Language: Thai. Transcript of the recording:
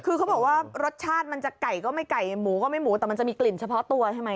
คือเขาบอกว่ารสชาติมันจะไก่ก็ไม่ไก่หมูก็ไม่หมูแต่มันจะมีกลิ่นเฉพาะตัวใช่ไหม